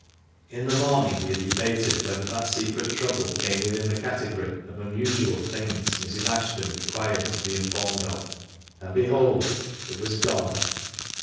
In the morning he had debated whether that secret trouble came within the category of " unusual " things Mrs. Ashton required to be informed of, and, behold ! it was gone!